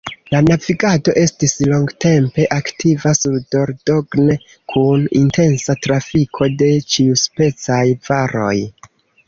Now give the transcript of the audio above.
La navigado estis longtempe aktiva sur Dordogne, kun intensa trafiko de ĉiuspecaj varoj.